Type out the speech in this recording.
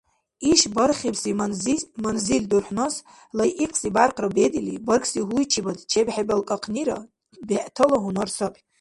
Иш бархибси манзил дурхӀнас лайикьси бяркъра бедили, бархьси гьуйчибад чебхӀебалкӀахънира бегӀтала гьунар саби.